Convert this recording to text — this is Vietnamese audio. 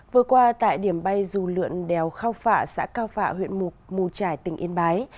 vừa qua tại điểm bay dù lượn đèo khao phạ xã cao phạ huyện mù trải tỉnh yên bái